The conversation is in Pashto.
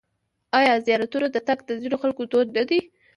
آیا زیارتونو ته تګ د ځینو خلکو دود نه دی؟